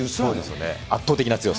圧倒的な強さ。